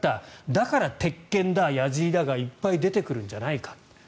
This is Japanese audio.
だから、鉄剣だ、やじりだがいっぱい出てくるんじゃないか。